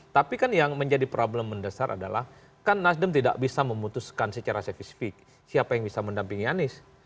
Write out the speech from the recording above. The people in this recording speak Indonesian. tapi kan yang menjadi problem mendesar adalah kan nasdem tidak bisa memutuskan secara spesifik siapa yang bisa mendampingi anies